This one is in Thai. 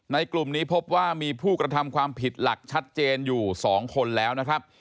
กลุ่มนี้พบว่ามีผู้กระทำความผิดหลักชัดเจนอยู่๒คนแล้วนะครับ